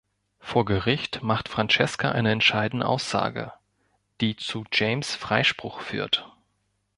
Vor Gericht macht Francesca eine entscheidende Aussage, die zu James’ Freispruch führt.